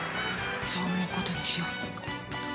そう思うことにしよう。